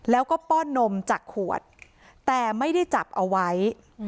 แล้วก็ป้อนนมจากขวดแต่ไม่ได้จับเอาไว้